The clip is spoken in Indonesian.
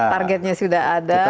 targetnya sudah ada